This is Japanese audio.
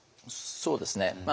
そうですね。